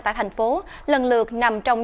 tại thành phố lần lượt nằm trong